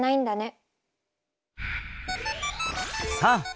さあ